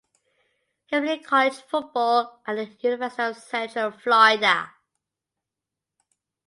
He played college football at the University of Central Florida.